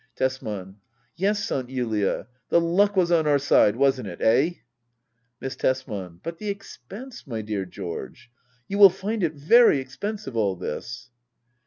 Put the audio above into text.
Tesman. Yes, Aunt Julia, the luck was on our side, wasn't it — eh ? Miss Tesman. But the expense, my dear George ! You will find it very expensive, all this.